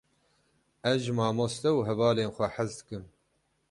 Ez ji mamoste û hevalên xwe hez dikim.